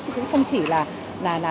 chứ cũng không chỉ là